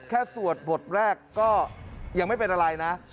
สวดบทแรกก็ยังไม่เป็นอะไรนะ